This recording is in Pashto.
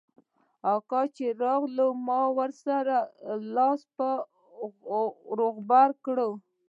اکا چې راغى ما ورسره د لاس روغبړ وکړ.